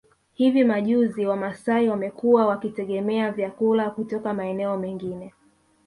Hivi majuzi wamasai wamekuwa wakitegemea vyakula kutoka maeneo mengine